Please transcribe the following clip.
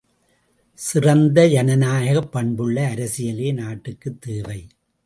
சிறந்த ஜனநாயகப் பண்புள்ள அரசியலே நாட்டுக்குத் தேவை.